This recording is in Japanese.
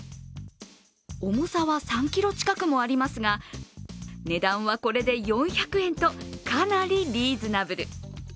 重さは３ｋｇ近くもありますが値段はこれで４００円とかなりリーズナブル。